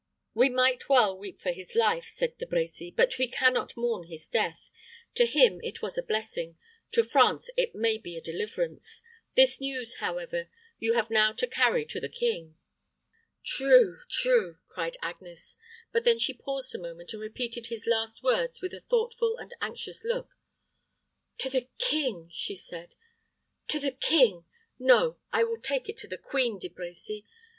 "We might well weep for his life," said De Brecy; "but we can not mourn his death. To him it was a blessing; to France it may be deliverance. This news, however, you have now to carry to the king." "True, true," cried Agnes; but then she paused a moment, and repeated his last words with a thoughtful and anxious look. "To the king!" she said; "to the king! No, I will take it to the queen, De Brecy.